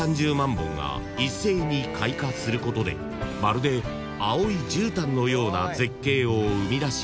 本が一斉に開花することでまるで青いじゅうたんのような絶景を生み出しますが］